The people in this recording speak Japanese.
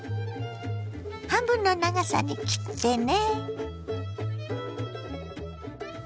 半分の長さに切ってね。